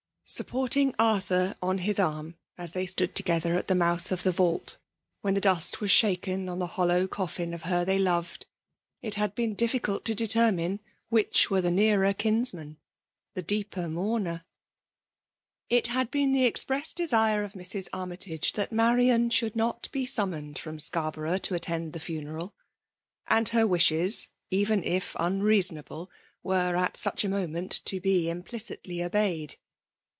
Supporting Arthur on his arm as they stood together at the mouth of the vault, when the dust was shaken on the hollow ^coffin of her they loved, it had been diflfeuh to 14(1 PBIIlALfi DOMUfAtlON. detennhie ^^hich vfere the nearer kitisman^ ih<* deeper mourner. It had been the express desire of Mr$. ArmyisLge, that Marian should not be snm* moned from Scarborough to attend the funeral ; and her wishes, even if unreasonable, were at such a moment to be implicitly obeyed.